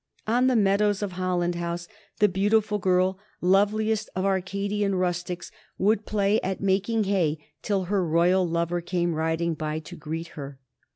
On the meadows of Holland House the beautiful girl, loveliest of Arcadian rustics, would play at making hay till her royal lover came riding by to greet her.